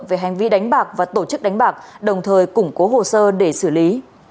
về hành vi đánh bạc và tổ chức đánh bạc đồng thời củng cố hồ sơ để xử lý